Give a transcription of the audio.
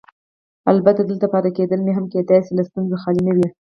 البته دلته پاتې کېدل مې هم کیدای شي له ستونزو خالي نه وي.